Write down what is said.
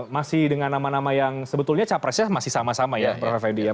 masih dengan nama nama yang sebetulnya capresnya masih sama sama ya